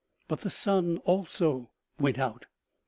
But the sun also went out.